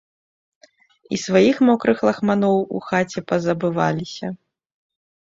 І сваіх мокрых лахманоў у хаце пазабываліся.